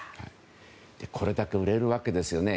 これだけ売れるわけですね。